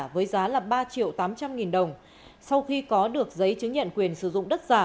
với giá là ba triệu tám trăm linh nghìn đồng sau khi có được giấy chứng nhận quyền sử dụng đất giả